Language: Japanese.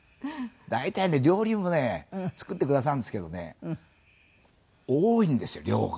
大体ね料理もね作ってくださるんですけどね多いんですよ量が。